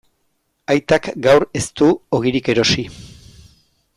Aitak gaur ez du ogirik erosi.